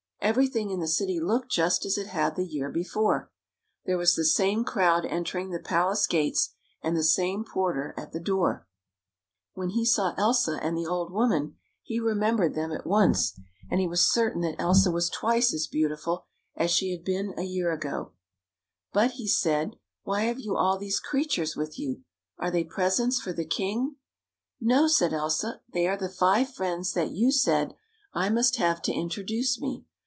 Everything in the city looked just as it had the year before: there was the same crowd entering the palace gates, and the same porter at the door. When IOI THE FOREST FULL OF FRIENDS "he saw Elsa and the old woman, he remembered them at once, and he was certain that Elsa was twice as beautiful as she had been a year ago. " But," he said, " why have you all these creatures with you? Are they presents for the king? "" No," said Elsa, " they are the five friends that you said I must have to introduce me.